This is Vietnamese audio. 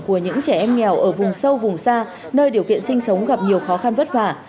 của những trẻ em nghèo ở vùng sâu vùng xa nơi điều kiện sinh sống gặp nhiều khó khăn vất vả